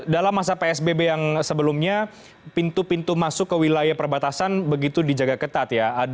dalam masa psbb yang sebelumnya pintu pintu masuk ke wilayah perbatasan begitu dijaga ketat ya